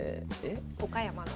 岡山の。